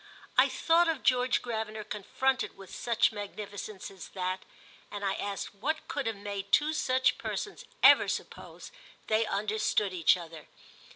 I thought of George Gravener confronted with such magnificence as that, and I asked what could have made two such persons ever suppose they understood each other.